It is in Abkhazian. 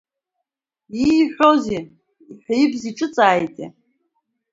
Ииҳәазеи, иҳәа-ибз иҿыҵааитеи?!